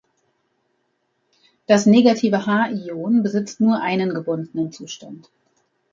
Das negative H-Ion besitzt nur einen gebundenen Zustand.